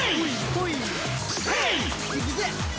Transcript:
いくぜ！